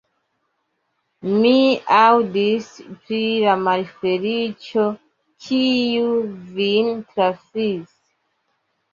Mi aŭdis pri la malfeliĉo, kiu vin trafis.